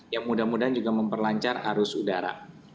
yang mudah mudahan juga memperlancar arus udara